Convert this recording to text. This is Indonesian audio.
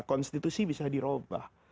konstitusi bisa diubah